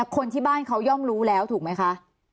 คนที่บ้านเขาย่อมรู้แล้วถูกไหมคะ